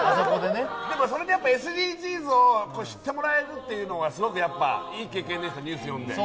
でもそれでやっぱりＳＤＧｓを知ってもらえるっていうのはすごくいい経験でした、ニュース読んで。